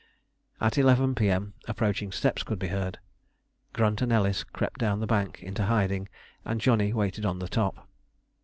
At 11 P.M. approaching steps could be heard. Grunt and Ellis crept down the bank into hiding, and Johnny waited on the top.